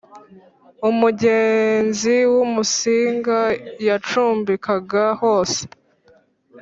umugenzi w'umusinga yacumbikaga hose